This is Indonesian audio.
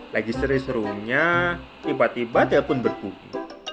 lagi seri serunya tiba tiba telpon berbunyi